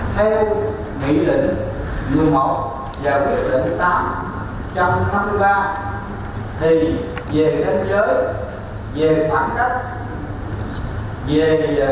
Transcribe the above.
thì về đánh giới về bản thân về